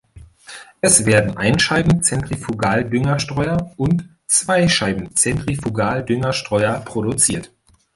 Es werden Einscheiben-Zentrifugaldüngerstreuer und Zweischeiben-Zentrifugaldüngerstreuer produziert.